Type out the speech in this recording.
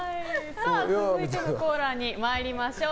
続いてのコーナーに参りましょう。